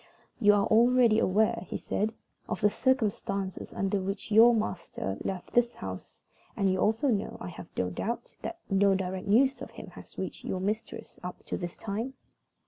"You are already aware," he said, "of the circumstances under which your master left this house, and you also know, I have no doubt, that no direct news of him has reached your mistress up to this time?"